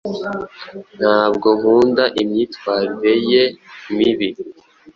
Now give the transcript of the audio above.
Ntabwo nkunda imyitwarire ye mibi.